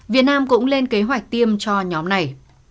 việt nam cũng lên kế hoạch tiêm cho nhóm này